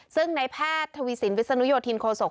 ซึ่งในแพทย์ทวีสินวิศนุโยธินโคศก